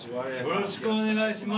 よろしくお願いします。